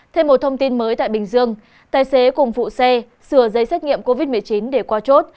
thêm một thông tin mới tại bình dương tài xế cùng phụ xe sửa giấy xét nghiệm covid một mươi chín để qua chốt